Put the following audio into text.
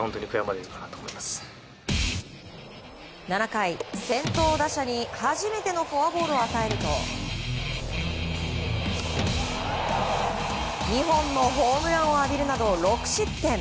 ７回、先頭打者に初めてのフォアボールを与えると２本のホームランを浴びるなど６失点。